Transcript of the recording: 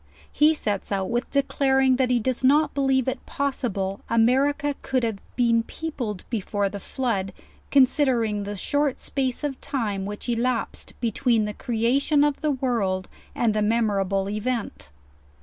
He sets out with declaring, that he does not believe it possible America could hare been peopled before the flood, considering the short space of time which elapsed between the creation of the world and the memorable event.